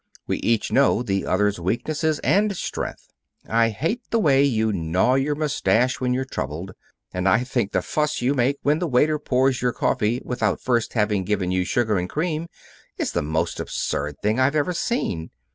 "We each know the other's weaknesses and strength. I hate the way you gnaw your mustache when you're troubled, and I think the fuss you make when the waiter pours your coffee without first having given you sugar and cream is the most absurd thing I've ever seen.